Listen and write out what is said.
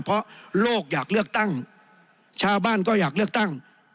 เพราะโลกอยากเลือกตั้งชาวบ้านก็อยากเลือกตั้ง